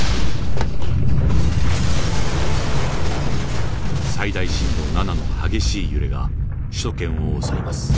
最大震度７の激しい揺れが首都圏を襲います。